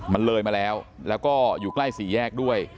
มันเลยมาแล้วแล้วก็อยู่ใกล้สี่แยกด้วย